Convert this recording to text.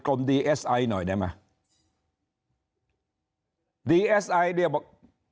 ดีเอสไอหน่อยได้ไหมดีเอสไอเนี่ยบอก